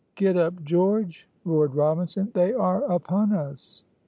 "Get up, George," roared Robinson; "they are upon us!"